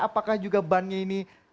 apakah juga bannya ini